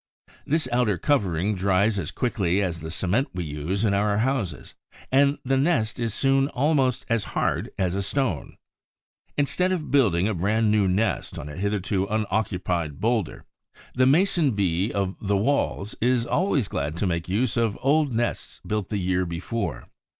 This outer covering dries as quickly as the cement we use in our houses; and the nest is soon almost as hard as a stone. Instead of building a brand new nest on a hitherto unoccupied bowlder, the Mason bee of the Walls is always glad to make use of old nests built the year before.